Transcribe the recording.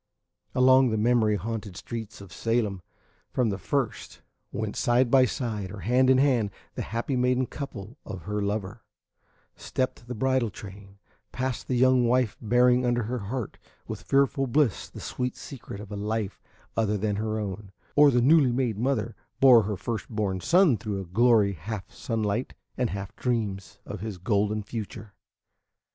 Along the memory haunted streets of Salem, from the first, went, side by side or hand in hand, the happy maiden and her lover; stepped the bridal train; passed the young wife bearing under her heart with fearful bliss the sweet secret of a life other than her own; or the newly made mother bore her first born son through a glory half sunlight and half dreams of his golden future.